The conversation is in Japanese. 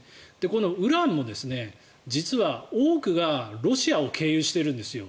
このウランも実は多くがロシアを経由しているんです。